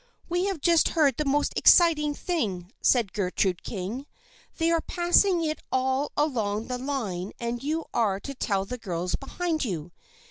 " We have just heard the most exciting thing," said Gertrude King. " They are passing it all along the line and you are to tell the girls behind you.